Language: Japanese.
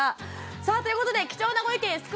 さあということで貴重なご意見すく